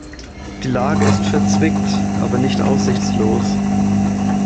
Die Lage ist verzwickt aber nicht aussichtslos.